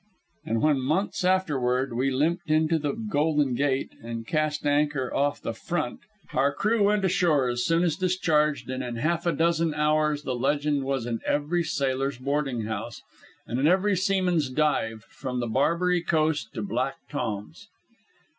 And when months afterward we limped into the Golden Gate and cast anchor off the "Front" our crew went ashore as soon as discharged, and in half a dozen hours the legend was in every sailors' boarding house and in every seaman's dive, from Barbary Coast to Black Tom's.